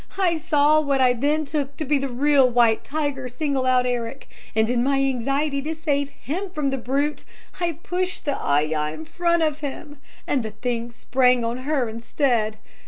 I saw what I then took to be the real white tiger single out Eric, and in my anxiety to save him from the brute, I pushed the ayah in front of him. And the thing sprang on her instead.